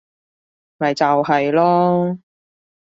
咪就係囉